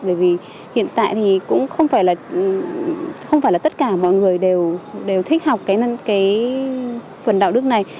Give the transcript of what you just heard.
bởi vì hiện tại thì cũng không phải là tất cả mọi người đều thích học cái phần đạo đức này